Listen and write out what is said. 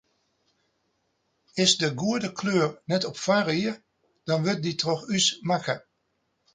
Is de goede kleur net op foarried, dan wurdt dy troch ús makke.